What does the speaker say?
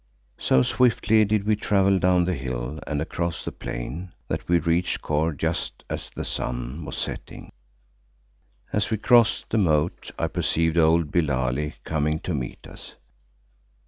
So swiftly did we travel down the hill and across the plain that we reached Kôr just as the sun was setting. As we crossed the moat I perceived old Billali coming to meet us.